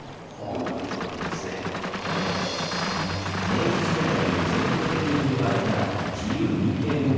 明治時代に全国的に広がった自由民権運動。